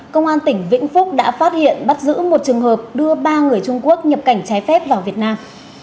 công an tỉnh vĩnh phúc đã phát hiện bắt giữ một trường hợp đưa ba người trung quốc nhập cảnh trái phép vào việt nam